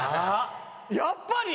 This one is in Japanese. やっぱり？